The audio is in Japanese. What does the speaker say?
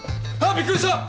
びっくりした！